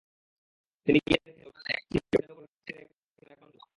তিনি গিয়ে দেখেন, লোকজন একটি ভ্যানের ওপর দেহটি রেখেছে, অনেক মানুষের জটলা।